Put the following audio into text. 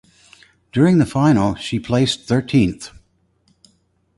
During the final she placed thirteenth.